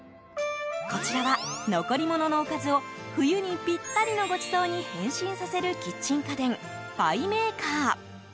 こちらは残り物のおかずを冬にピッタリのごちそうに変身させるキッチン家電パイメーカー。